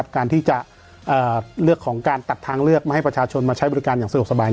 การที่จะเลือกของการตัดทางเลือกมาให้ประชาชนมาใช้บริการอย่างสะดวกสบาย